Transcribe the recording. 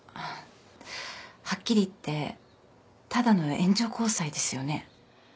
はっきり言ってただの援助交際ですよね。